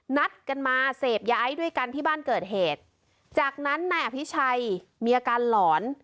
นัดกันมาเสพย้ายด้วยกันที่บ้านเกิดเหตุจากนั้นนายอภิชัยมีอาการหลอน